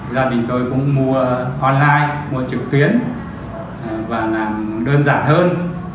gia đình tôi cũng mua online mua trực tuyến và làm đơn giản hơn